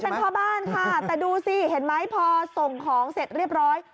เป็นพ่อบ้านค่ะแต่ดูสิเห็นไหมพอส่งของเสร็จเรียบร้อย